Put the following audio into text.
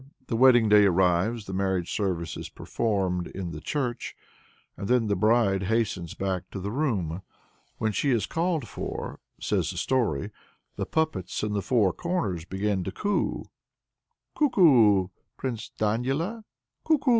The wedding day arrives, the marriage service is performed in the church, and then the bride hastens back to the room. When she is called for says the story the puppets in the four corners begin to coo. "Kuku! Prince Danila! "Kuku!